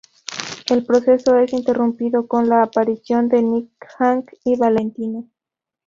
El proceso es interrumpido con la aparición de Nick, Hank y Valentina.